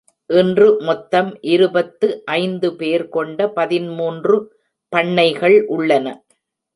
இன்று மொத்தம் இருபத்து ஐந்து பேர் கொண்ட பதின்மூன்று பண்ணைகள் உள்ளன.